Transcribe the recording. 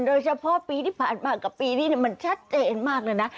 โดยเฉพาะปีที่ผ่านมากับปีนี้มันชัดเจนมากเลยนะ